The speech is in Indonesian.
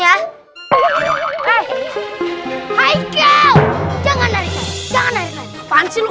hai oke biarin aja sabar juara satu tapi aku harus juara dua